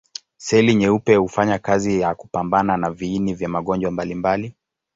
Seli nyeupe hufanya kazi ya kupambana na viini vya magonjwa mbalimbali.